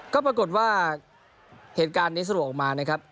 ก็ปรากฏว่าเหตุการณ์นี้สะดวกออกมานะครับ